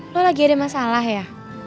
lo lagi ada masalah ya